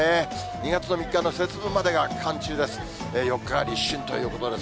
２月の３日の節分までが寒中です。